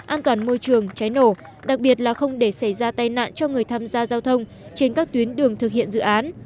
an toàn môi trường cháy nổ đặc biệt là không để xảy ra tai nạn cho người tham gia giao thông trên các tuyến đường thực hiện dự án